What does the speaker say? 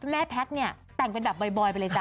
แม่แพทเนี่ยแต่งเป็นดับบอยไปเลยจ้ะ